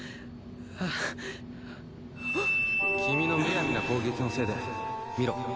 君の無闇な攻撃のせいで見ろ。